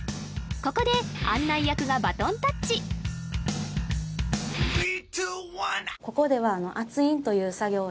ここで案内役がバトンタッチ圧印？